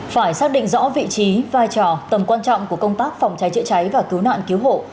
phải xác định rõ vị trí vai trò tầm quan trọng của công tác phòng cháy chữa cháy và cứu nạn cứu hộ